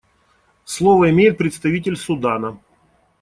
Слово имеет представитель Судана.